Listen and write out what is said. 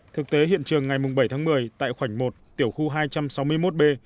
thực tế hiện trường ngày bảy tháng một mươi tại khoảnh một tiểu khu hai trăm sáu mươi một b